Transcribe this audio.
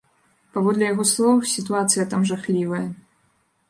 Паводле яго слоў, сітуацыя там жахлівая.